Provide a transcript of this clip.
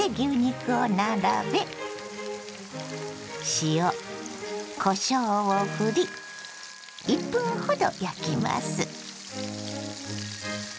塩こしょうをふり１分ほど焼きます。